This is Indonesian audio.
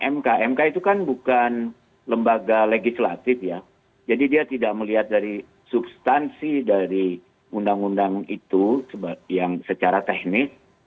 mk mk itu kan bukan lembaga legislatif ya jadi dia tidak melihat dari substansi dari undang undang itu yang secara teknis